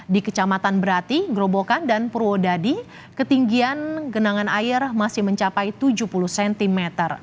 di kecamatan berati grobokan dan purwodadi ketinggian genangan air masih mencapai tujuh puluh cm